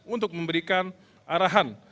untuk memberikan arahan